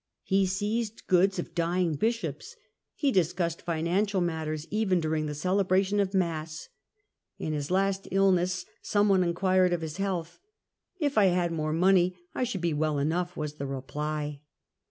He seized goods of dying Bishops, he discussed financial matters even during the celebration of Mass. In his last illness some one inquired of his health. " If I had more money I should be well enough," was the reply.